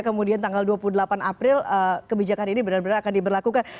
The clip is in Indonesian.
kemudian tanggal dua puluh delapan april kebijakan ini benar benar akan diberlakukan